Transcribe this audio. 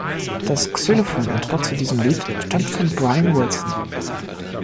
Das Xylophon-Intro zu diesem Lied stammt von Brian Wilson.